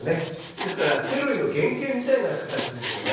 ですからセロリの原形みたいな形ですよね。